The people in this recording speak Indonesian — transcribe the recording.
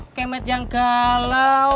skemet yang galau